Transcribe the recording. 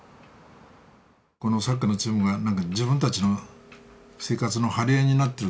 このサッカーのチームが自分たちの生活の張り合いになっているっていうかね。